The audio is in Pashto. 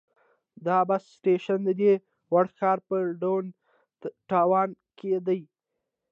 دا بس سټیشن د دې واړه ښار په ډاون ټاون کې دی.